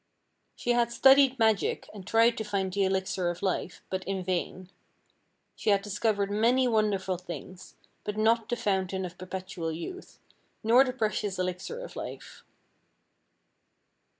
She had studied magic, and tried to find the elixir of life, but in vain. She had discovered many wonderful things, but not the fountain of perpetual youth, nor the precious elixir of life.